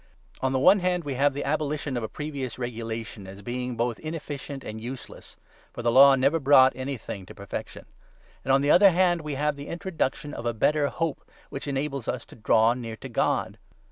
On the one hand, we have the abolition of a previous regulation 18 as being both inefficient and useless (for the Law never brought 19 anything to perfection) ; and, on the other hand, we have the introduction of a better hope, which enables us to draw near to God.